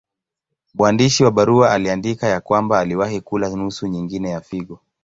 Mwandishi wa barua aliandika ya kwamba aliwahi kula nusu nyingine ya figo.